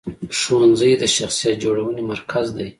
ښوونځی د شخصیت جوړونې مرکز دی.